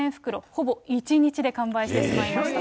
ほぼ１日で完売してしまいました。